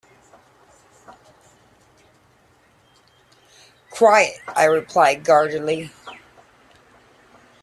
"Quite," I replied guardedly.